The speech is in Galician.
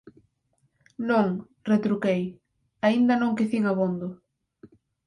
Non −retruquei−, aínda non quecín abondo.